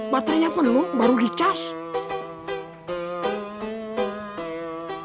baterainya pun belum baru di charge